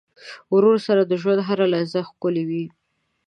ورور سره د ژوند هره لحظه ښکلي وي.